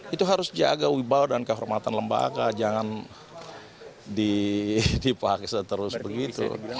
itu harus jaga wibau dan kehormatan lembaga jangan dipakai seterus begitu